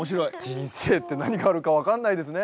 人生って何があるか分かんないですね